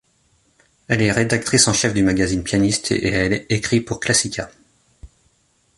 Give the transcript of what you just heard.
Elle est rédactrice en chef du magazine Pianiste et elle écrit pour Classica.